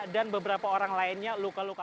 dan beberapa orang lainnya luka luka